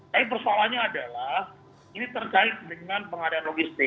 tapi persoalannya adalah ini terkait dengan pengadaan logistik